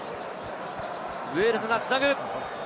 ウェールズがつなぐ。